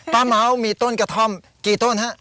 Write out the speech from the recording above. เม้ามีต้นกระท่อมกี่ต้นฮะ